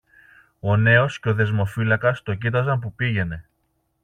Ο νέος και ο δεσμοφύλακας το κοίταζαν που πήγαινε.